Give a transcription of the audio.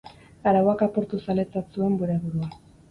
Arauak apurtu zaletzat zuen bere burua.